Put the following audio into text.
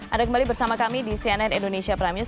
ada kembali bersama kami di cnn indonesia prime news